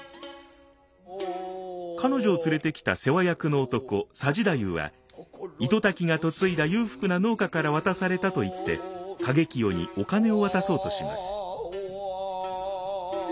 彼女を連れてきた世話役の男佐治太夫は糸滝が嫁いだ裕福な農家から渡されたと言って景清にお金を渡そうとします。